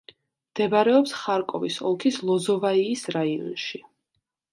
მდებარეობს ხარკოვის ოლქის ლოზოვაიის რაიონში.